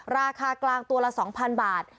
ราคากลางตัวละ๒๐๐๐บาท